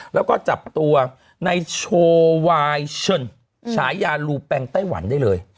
แล้วก็จับตัวในโชว์วายเชิญฉายาลูแปงไต้หวันได้เลย